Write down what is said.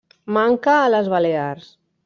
Manca a les Balears.